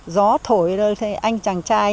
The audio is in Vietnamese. gió thổi anh chàng trai